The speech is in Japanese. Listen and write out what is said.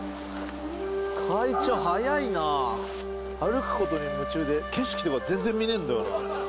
会長速いな歩くことに夢中で景色とか全然見ねえんだよな